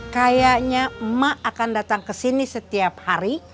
kayaknya emak akan datang kesini setiap hari